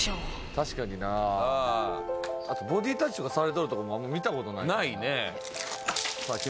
確かになあとボディータッチとかされとるとこもあんま見たことないからなないねあっ